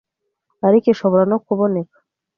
ariko ishobora no kuboneka